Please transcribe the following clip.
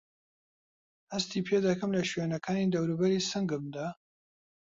هەستی پێدەکەم له شوێنەکانی دەورووبەری سنگمدا؟